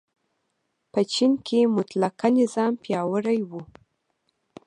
په چین کې مطلقه نظام پیاوړی و.